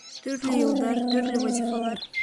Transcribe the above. Төрлө йылдар, төрлө вазифалар.